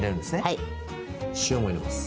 はい塩も入れます